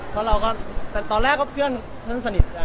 แต่ตอนแรกเพื่อน